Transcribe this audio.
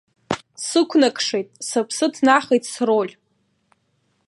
Сықәнакшеит, сыԥсы ҭнахит сроль.